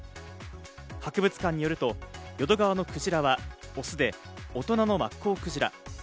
博物館によると、淀川のクジラはオスで、大人のマッコウクジラ。